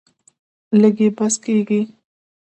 لږ یې بس کیږي.